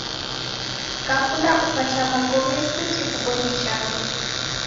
Kakunda kupata magome, suti kubonye chaghu